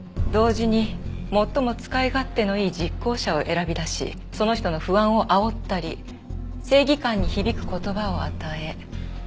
同時に最も使い勝手のいい実行者を選び出しその人の不安をあおったり正義感に響く言葉を与え